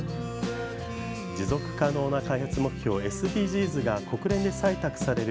持続可能な開発目標＝ＳＤＧｓが国連で採択される